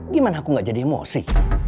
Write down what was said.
gimana aku gak jadi emosi